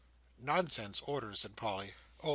"Nonsense; orders," said Polly. "Oh!